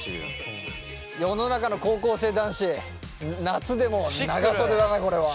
世の中の高校生男子夏でも長袖だなこれは。